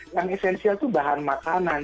yang esensial itu bahan makanan